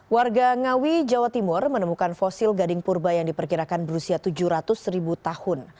warga ngawi jawa timur menemukan fosil gading purba yang diperkirakan berusia tujuh ratus ribu tahun